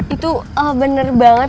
itu bener banget